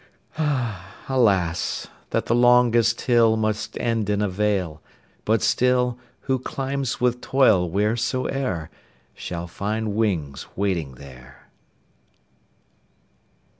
20 Alas, that the longest hill Must end in a vale; but still, Who climbs with toil, wheresoe'er, Shall find wings waiting there.